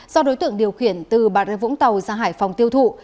do đối tượng điều khiển từ bà rê vũng tàu ra hải phòng tiêu thụ